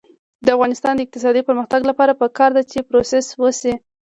د افغانستان د اقتصادي پرمختګ لپاره پکار ده چې پروسس وشي.